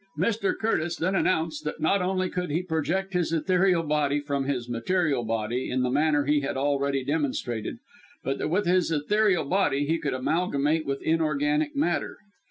Mr. Curtis then announced that not only could he project his ethereal body from his material body in the manner he had already demonstrated, but that with his ethereal body he could amalgamate with inorganic matter.